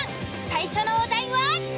最初のお題は。